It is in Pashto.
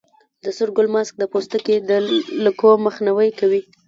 د سور ګل ماسک د پوستکي د لکو مخنیوی کوي.